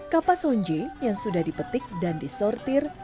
kapas honje yang sudah dipetik dan disortir